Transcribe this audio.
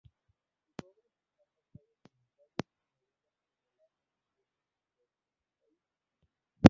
Sus obras están basadas en ensayos y novelas que relatan sucesos históricos del país.